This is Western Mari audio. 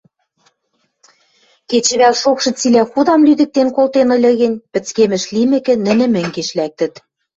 Кечӹвӓл шокшы цилӓ худам лӱдыктен колтен ыльы гӹнь, пӹцкемӹш лимӹкӹ, нӹнӹ мӹнгеш лӓктӹт.